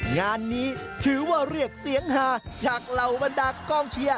งานนี้ถือว่าเรียกเสียงฮาจากเหล่าบรรดากองเชียร์